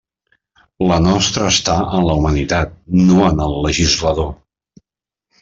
La nostra està en la humanitat, no en el legislador.